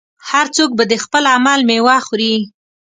هر څوک به د خپل عمل میوه خوري.